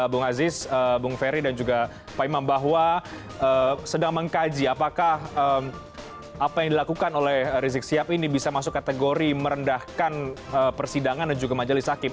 bung aziz bung ferry dan juga pak imam bahwa sedang mengkaji apakah apa yang dilakukan oleh rizik sihab ini bisa masuk kategori merendahkan persidangan dan juga majelis hakim